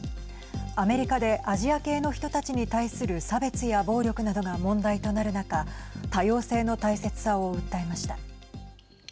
アメリカでアジア系の人たちに対する差別や暴力などが問題となる中多様性の大切さを訴えました。